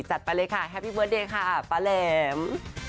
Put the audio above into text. ไปเลยค่ะแฮปปี้เบิร์ตเดย์ค่ะป้าแหลม